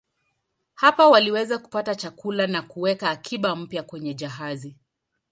Hapa waliweza kupata chakula na kuweka akiba mpya kwenye jahazi.